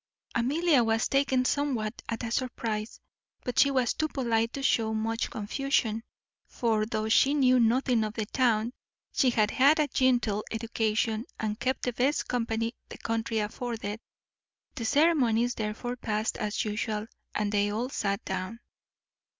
Amelia was taken somewhat at a surprize, but she was too polite to shew much confusion; for, though she knew nothing of the town, she had had a genteel education, and kept the best company the country afforded. The ceremonies therefore past as usual, and they all sat down.